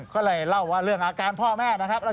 ก็เลยเล่าว่าเรื่องอาการพ่อแม่นะครับ